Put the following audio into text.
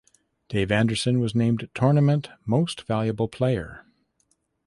David Anderson was named Tournament Most Valuable Player.